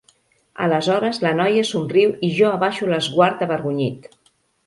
Aleshores la noia somriu i jo abaixo l'esguard avergonyit.